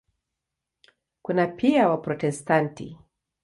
Kuna pia Waprotestanti.